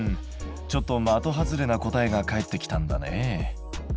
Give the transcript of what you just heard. ちょっと的外れな答えが返ってきたんだね。